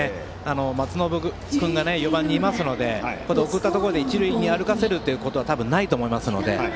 松延君が４番にいますので送ったところで一塁に歩かせることは多分、ないと思いますので。